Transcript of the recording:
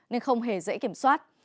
nên không hề dễ kiểm soát